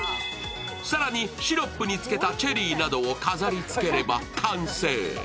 更に、シロップにつけたチェリーなどが飾りつければ完成。